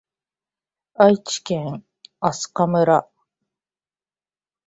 愛知県飛島村